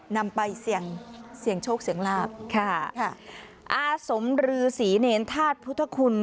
นำไปเสี่ยงเสี่ยงโชคเสี่ยงลาบค่ะค่ะอาสมรือศรีเนรธาตุพุทธคุณ